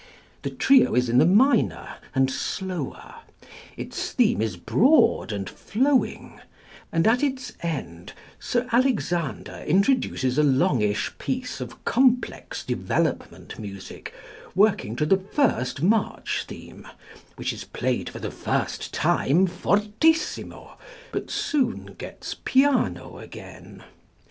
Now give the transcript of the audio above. The trio is in the minor and slower; its theme is broad and flowing, and at its end Sir Alexander introduces a longish piece of complex development music working to the first march theme, which is played for the first time fortissimo, but soon gets piano again.